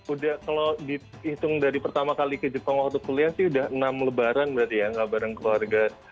udah kalau dihitung dari pertama kali ke jepang waktu kuliah sih udah enam lebaran berarti ya nggak bareng keluarga